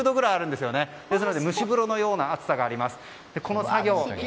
ですので蒸し風呂のような暑さがあります。